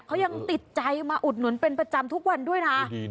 เขายังติดใจมาอุดหนุนเป็นประจำทุกวันด้วยนะ